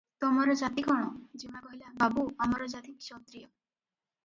ତମର ଜାତି କଣ?" ଯେମା କହିଲା- "ବାବୁ! ଆମର ଜାତି କ୍ଷତ୍ରିୟ ।